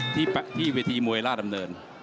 ที่วิธีมวยล่าดำเนิน